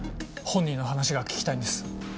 本人の話が聞きたいんです。